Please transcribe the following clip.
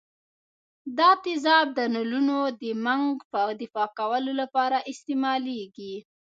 دا تیزاب د نلونو د منګ د پاکولو لپاره استعمالیږي.